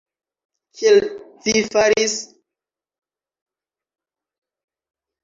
Kiel ci faris?